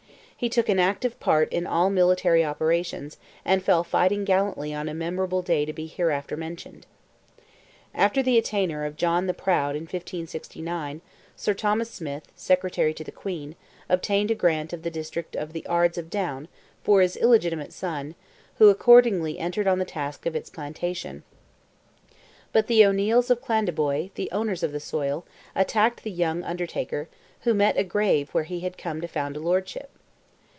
He took an active part in all military operations, and fell fighting gallantly on a memorable day to be hereafter mentioned. After the attainder of John the Proud in 1569, Sir Thomas Smith, Secretary to the Queen, obtained a grant of the district of the Ards of Down, for his illegitimate son, who accordingly entered on the task of its plantation. But the O'Neils of Clandeboy, the owners of the soil, attacked the young Undertaker, who met a grave where he had come to found a lordship.